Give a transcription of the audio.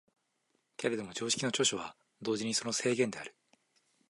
けれども常識の長所は同時にその制限である。